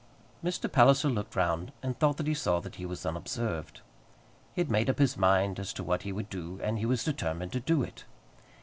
Mr. Palliser looked round and thought that he saw that he was unobserved. He had made up his mind as to what he would do, and he was determined to do it.